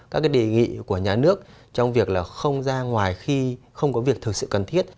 các cái đề nghị của nhà nước trong việc là không ra ngoài khi không có việc thực sự cần thiết